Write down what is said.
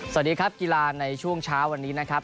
สวัสดีครับกีฬาในช่วงเช้าวันนี้นะครับ